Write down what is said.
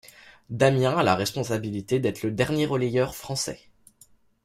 Damien a la responsabilité d'être le dernier relayeur français.